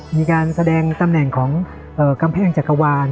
มีการแสดงตำแหน่งของกำแพงจักรวาล